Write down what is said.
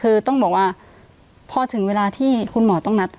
คือต้องบอกว่าพอถึงเวลาที่คุณหมอต้องนัด